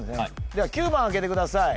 では９番開けてください